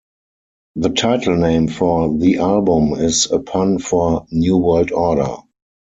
The title name for the album is a pun for "New World Order".